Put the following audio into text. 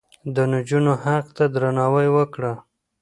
د نجونو حق ته درناوی وکړه.